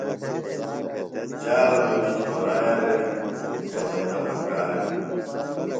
چارلُنی چھوریہ بےۡ، ہیوندہ پکار بھی